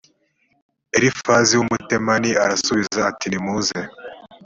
elifazi w umutemani arasubiza ati nimuze